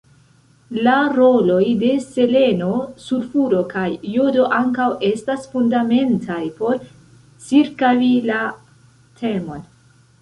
La roloj de seleno sulfuro kaj jodo anakŭ ests fundamentaj por cirkaŭi la temon.